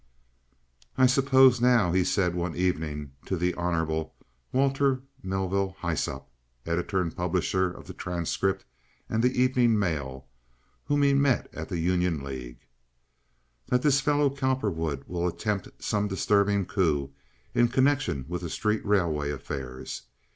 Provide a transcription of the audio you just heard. "I suppose now," he said one evening to the Hon. Walter Melville Hyssop, editor and publisher of the Transcript and the Evening Mail, whom he met at the Union League, "that this fellow Cowperwood will attempt some disturbing coup in connection with street railway affairs.